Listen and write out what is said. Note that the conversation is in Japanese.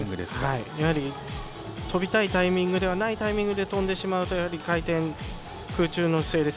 やはり跳びたいタイミングではないタイミングで跳んでしまうと、空中の姿勢